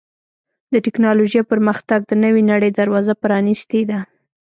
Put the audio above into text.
د ټکنالوجۍ پرمختګ د نوې نړۍ دروازه پرانستې ده.